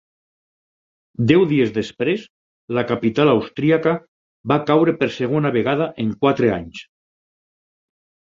Deu dies després, la capital austríaca va caure per segona vegada en quatre anys.